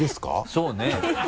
そうね